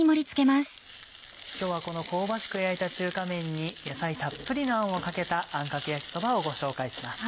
今日はこの香ばしく焼いた中華麺に野菜たっぷりのあんをかけたあんかけ焼きそばをご紹介します。